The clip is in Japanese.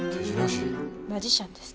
マジシャンです。